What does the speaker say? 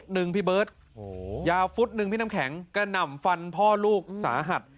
หนึ่งพี่เบิร์ตยาวฟุตหนึ่งพี่น้ำแข็งกระหน่ำฟันพ่อลูกสาหัส